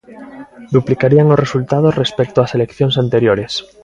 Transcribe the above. Duplicarían os resultados respecto ás eleccións anteriores.